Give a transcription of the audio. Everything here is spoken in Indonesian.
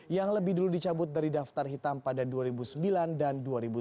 yang lebih dulu dicabut dari daftar hitam pada dua ribu sembilan dan dua ribu sembilan